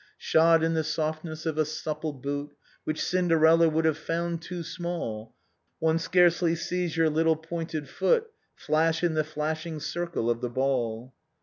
" Shod in the softness of a supple boot Which Cinderella would have found too small, One Bcareely sees your little pointed foot Flash in the flashing circle of the Ball.